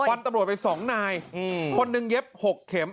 ตำรวจไปสองนายคนหนึ่งเย็บ๖เข็ม